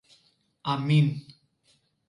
Αμήν.